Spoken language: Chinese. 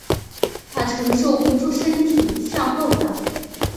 她承受不住身体向后倒